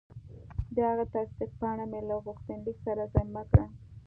د هغه تصدیق پاڼه مې له غوښتنلیک سره ضمیمه کړه.